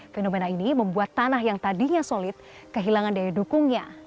fenomena ini membuat tanah yang tadinya solid kehilangan daya dukungnya